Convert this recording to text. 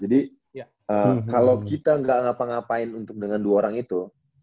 jadi kalo kita gak ngapa ngapain untuk dengan dua orang itu